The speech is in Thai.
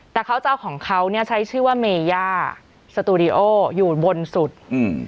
แต่เขาจะเอาของเขาเนี้ยใช้ชื่อว่าเมย่าสตูดิโออยู่บนสุดอืม